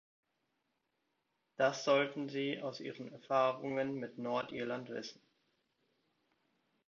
Das sollten Sie aus Ihren Erfahrungen mit Nordirland wissen.